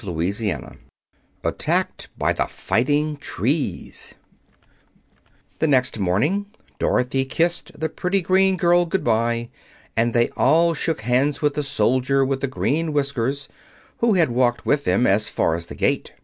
Chapter XIX Attacked by the Fighting Trees The next morning Dorothy kissed the pretty green girl good bye, and they all shook hands with the soldier with the green whiskers, who had walked with them as far as the gate.